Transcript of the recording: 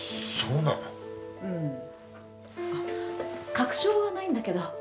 確証はないんだけど。